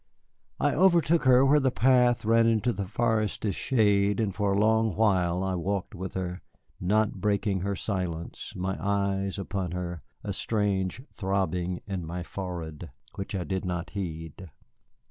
I overtook her where the path ran into the forest's shade, and for a long while I walked after her, not breaking her silence, my eyes upon her, a strange throbbing in my forehead which I did not heed.